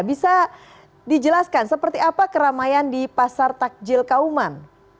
bisa dijelaskan seperti apa keramaian di pasar takjil kauman